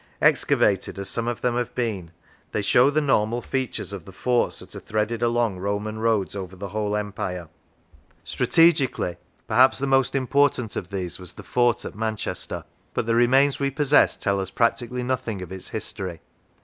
Excavated, as some of them have been, they show the normal features of the forts that are threaded along Roman roads over the whole Empire. Strategically, perhaps the most 43 Lancashire important of these was the fort at Manchester, but the remains we possess tell us practically nothing of its history.